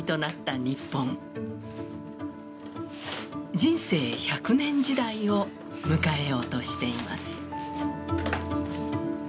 人生１００年時代を迎えようとしています。